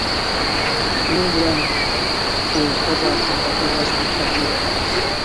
شۇنىڭ بىلەن ئۇ تازا قاتتىق يىغلاشقا باشلاپتۇ.